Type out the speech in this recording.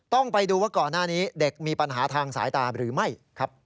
ต้องไปดูว่าก่อนหน้านี้เด็กมีปัญหาทางสายตาหรือไม่ครับ